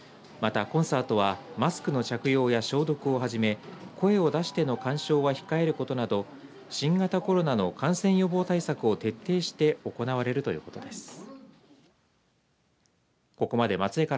また、コンサートはマスクの着用や消毒をはじめ声を出しての鑑賞は控えることなど新型コロナの感染予防対策を徹底して行われるということです。